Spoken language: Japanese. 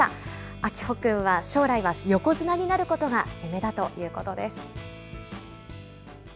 明峰君は、将来は横綱になることが夢だということです。